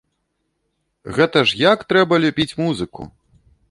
Гэта ж як трэба любіць музыку!